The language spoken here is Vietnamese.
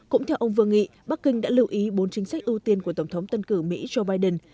cũng theo ông vương nghị bắc kinh đã lưu ý bốn chính sách ưu tiên của tổng thống tân cử mỹ joe biden